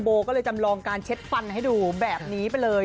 ก็เลยจำลองการเช็ดฟันให้ดูแบบนี้ไปเลย